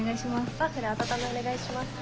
ワッフル温めお願いします。